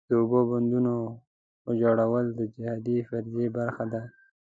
د اوبو بندونو ویجاړول د جهاد فریضې برخه ده.